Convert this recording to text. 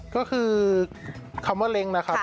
ก็คือคำว่าเล็งนะครับ